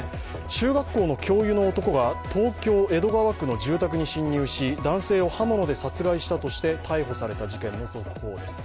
中学校の教諭の男が東京・江戸川区の住宅に侵入し男性を刃物で殺害したとして逮捕された事件の続報です。